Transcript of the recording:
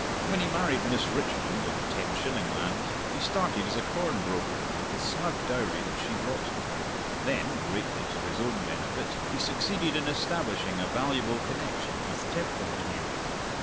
When he married Miss Richmond of Tenshillingland, he started as a corn broker with the snug dowry that she brought him. Then, greatly to his own benefit, he succeeded in establishing a valuable connection with Templandmuir.